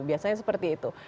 biasanya seperti itu